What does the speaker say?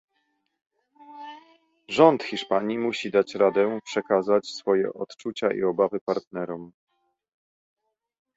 Rząd Hiszpanii musi dać radę przekazać swoje odczucia i obawy partnerom